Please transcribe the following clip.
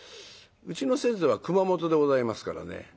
うちの先祖は熊本でございますからね。